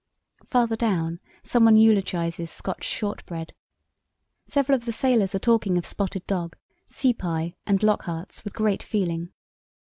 Farther down, some one eulogizes Scotch shortbread. Several of the sailors are talking of spotted dog, sea pie, and Lockhart's with great feeling.